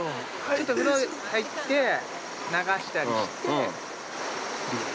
ちょっと風呂入って流したりしてビール。